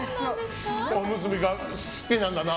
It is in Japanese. おむすびが好きなんだな。